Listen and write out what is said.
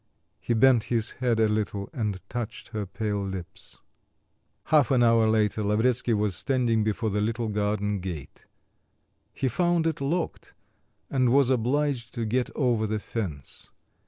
He bent his head a little and touched her pale lips. Half an hour later Lavretsky was standing before the little garden gate. He found it locked and was obliged to get over the fence.